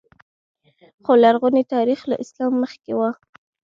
خو لرغونی تاریخ له اسلام مخکې و